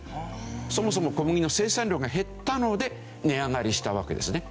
そもそも小麦の生産量が減ったので値上がりしたわけですね。